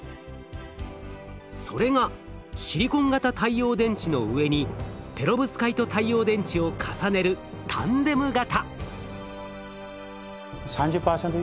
それがシリコン型太陽電池の上にペロブスカイト太陽電池を重ねるタンデム型。